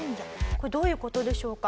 これどういう事でしょうか？